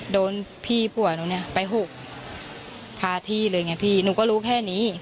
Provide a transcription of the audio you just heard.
โดนพี่ผัวหนูเนี่ยไปหกคาที่เลยไงพี่หนูก็รู้แค่นี้